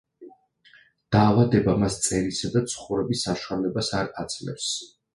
დაავადება მას წერისა და ცხოვრების საშუალებას არ აძლევს.